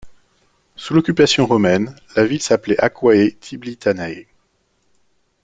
Sous l'occupation romaine, la ville s'appelait Aquae Thiblitanae.